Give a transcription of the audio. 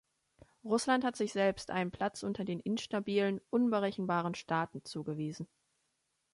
Russland hat sich selbst einen Platz unter den instabilen, unberechenbaren Staaten zugewiesen.